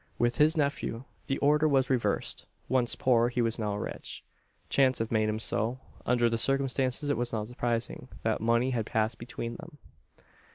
With his nephew, the order was reversed: once poor, he was now rich. Chance had made him so. Under the circumstances, it was not surprising, that money had passed between them.